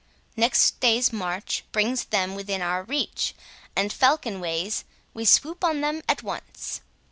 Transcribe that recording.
Next day's march brings them within our reach, and, falcon ways, we swoop on them at once.